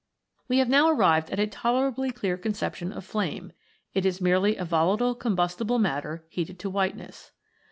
We have now arrived at a tolerably clear con ception of Flame ; it is merely volatile combustible matter heated to whiteness.